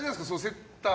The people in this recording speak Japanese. セッター。